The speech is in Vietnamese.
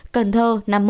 cần thơ năm mươi một